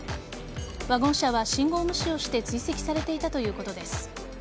ワゴン車は信号無視をして追跡されていたということです。